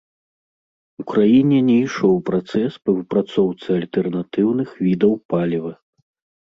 У краіне не ішоў працэс па выпрацоўцы альтэрнатыўных відаў паліва.